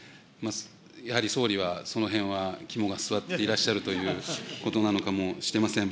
やはり総理はそのへんは、肝が据わっていらっしゃるということなのかもしれません。